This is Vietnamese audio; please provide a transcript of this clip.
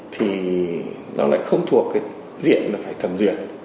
thì nó lại không thuộc cái diện là phải thẩm duyệt